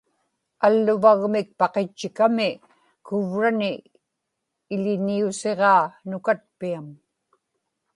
alluvagmik paqitchikami kuvrani iḷiñiusiġaa nukatpiam